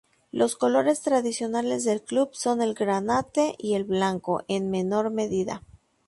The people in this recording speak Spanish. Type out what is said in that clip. Los colores tradicionales del club son el granate y el blanco, en menor medida.